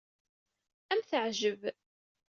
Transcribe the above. Ad am-teɛjeb.